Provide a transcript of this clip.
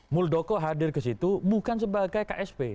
muldoko hadir ke situ bukan sebagai ksp